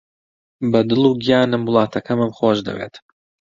بە دڵ و گیانم وڵاتەکەمم خۆش دەوێت.